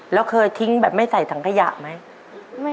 แล้วเคยทิ้งแบบไม่ใส่ถังขยะไหม